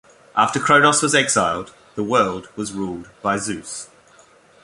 After Kronos was exiled, the world was ruled by Zeus.